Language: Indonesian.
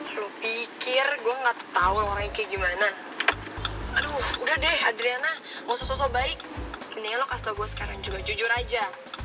lo pikir gue gak tau lo orangnya kayak gimana aduh udah deh adriana nggak usah sosok baik mendingan lo kasih tau gue sekarang juga jujur aja